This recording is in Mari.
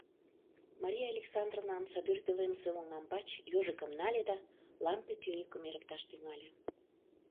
Мария Александровна омсадӱр пӧлемысе оҥамбач «ёжикым» нале да лампе тӱньыкым эрыкташ тӱҥале.